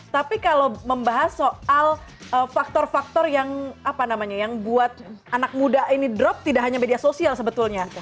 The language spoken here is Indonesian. tapi kalau membahas soal faktor faktor yang apa namanya yang buat anak muda ini drop tidak hanya media sosial sebetulnya